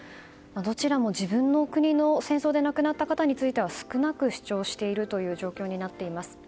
どちらも自分の国の戦争で亡くなった方については少なく主張しているという状況になっています。